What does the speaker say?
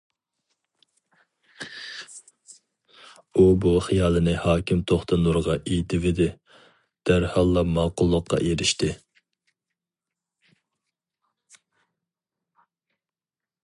ئۇ بۇ خىيالىنى ھاكىم توختى نۇرغا ئېيتىۋىدى، دەرھاللا ماقۇللۇققا ئېرىشتى.